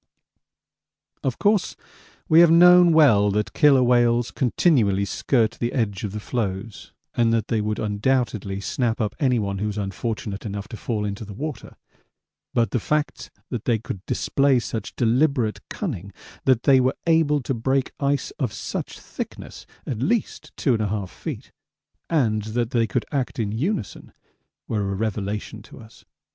Of course, we have known well that killer whales continually skirt the edge of the floes and that they would undoubtedly snap up anyone who was unfortunate enough to fall into the water; but the facts that they could display such deliberate cunning, that they were able to break ice of such thickness (at least 2 1/2 feet), and that they could act in unison, were a revelation to us.